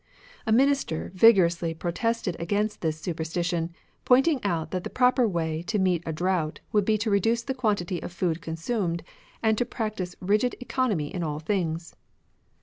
A Minister vigorously pro tested against this superstition, pointing out that the proper way to meet a drought would be to reduce the quantity of food consumed, and to practise rigid economy in all things.